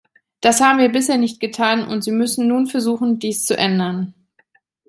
Das haben wir bisher nicht getan, und Sie müssen nun versuchen, dies zu ändern.